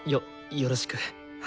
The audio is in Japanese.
よろしく。